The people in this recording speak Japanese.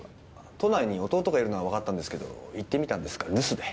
都内に弟がいるのはわかったんですけど行ってみたんですが留守で。